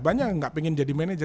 banyak yang gak pengen jadi manager